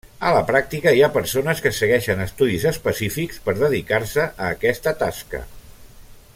A la pràctica, hi ha persones que segueixen estudis específics per dedicar-se a aquesta tasca.